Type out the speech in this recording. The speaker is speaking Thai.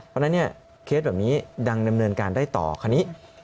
เพราะนั้นเกณฑ์แบบนี้ดั่งดำเนินได้ต่อคณิก